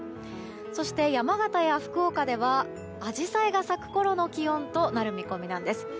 そして、山形や福岡ではアジサイが咲くころの気温となる見込みなんです。